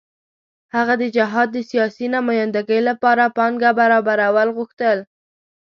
هغه د جهاد د سیاسي نمايندګۍ لپاره پانګه برابرول غوښتل.